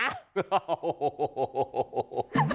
โอ้โห